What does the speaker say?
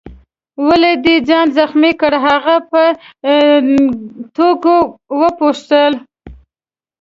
ولي دي ځان زخمي کړ؟ هغه په ټوکو وپوښتل.